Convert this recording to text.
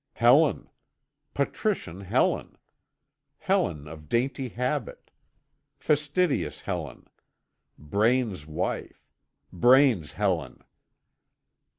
Helen! Patrician Helen! Helen of dainty habit! Fastidious Helen! Braine's wife! Braine's Helen!